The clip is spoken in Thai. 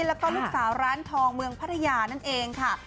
แล้วก็ลูกสาวร้านทองเมืองพัทยานั่นเองค่ะ